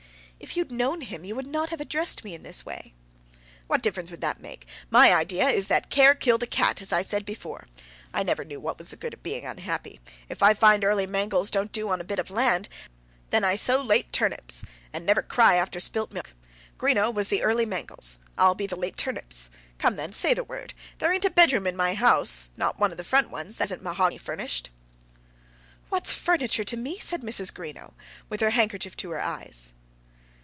"If you'd known him, you would not have addressed me in this way." "What difference would that make? My idea is that care killed a cat, as I said before. I never knew what was the good of being unhappy. If I find early mangels don't do on a bit of land, then I sow late turnips; and never cry after spilt milk. Greenow was the early mangels; I'll be the late turnips. Come then, say the word. There ain't a bedroom in my house, not one of the front ones, that isn't mahogany furnished!" "What's furniture to me?" said Mrs. Greenow, with her handkerchief to her eyes.